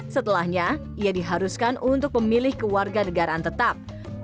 setelahnya ia diharuskan untuk memilih kewarga negaraan tetap